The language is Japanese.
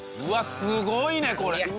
うわすごいねこれ。